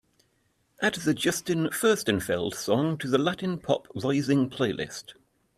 Add the Justin Furstenfeld song to the latin pop rising playlist.